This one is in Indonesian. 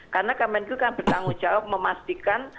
karena kemenq kan bertanggung jawab memastikan